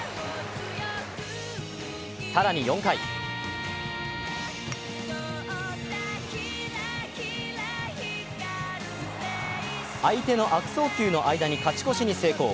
更に４回、相手の悪送球の間に勝ち越しに成功。